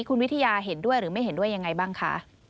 คุณวิทยาเห็นด้วยหรือไม่เห็นด้วยยังไงบ้างคะ